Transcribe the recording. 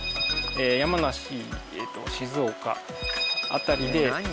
山梨静岡辺りで。